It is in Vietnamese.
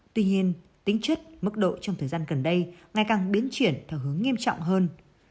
tuy nhiên tính chất mức độ trong thời gian gần đây ngày càng biến chuyển theo hướng nghiêm trọng hơn